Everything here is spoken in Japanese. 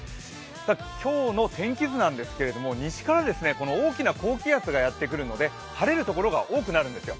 今日の天気図なんですけれども西からこの大きな低気圧がやってくるので、晴れるところが多くなるんですよ。